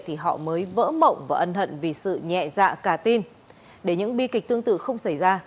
thì họ mới vỡ mộng và ân hận vì sự nhẹ dạ cả tin để những bi kịch tương tự không xảy ra